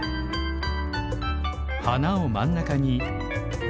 花を真ん中に。